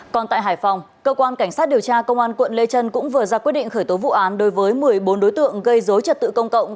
còn tại hải phòng cơ quan cảnh sát điều tra công an quận lê trân cũng vừa ra quyết định khởi tố vụ án đối với một mươi bốn đối tượng gây dối trật tự công cộng